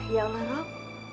ya allah rob